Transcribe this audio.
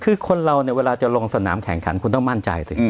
คือคนเราเนี่ยเวลาจะลงสนามแข่งขันคุณต้องมั่นใจสิ